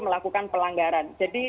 melakukan pelanggaran jadi